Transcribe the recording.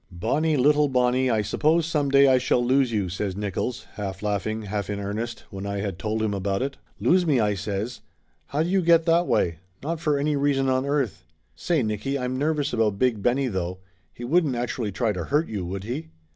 "Bonnie, little Bonnie, I suppose some day I shall lose you!" says Nickolls, half laughing, half in earnest, when I had told him about it. 223 224 Laughter Limited "Lose me?" I says. "How do you get that way? Not for any reason on earth ! Say, Nicky, I'm nervous about Big Benny, though. He wouldn't actually try to hurt you, would he?"